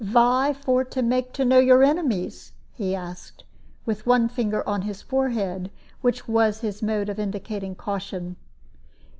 "Why for make to know your enemies?" he asked, with one finger on his forehead, which was his mode of indicating caution.